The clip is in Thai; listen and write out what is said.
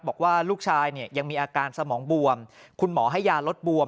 บอกว่าลูกชายเนี่ยยังมีอาการสมองบวมคุณหมอให้ยาลดบวม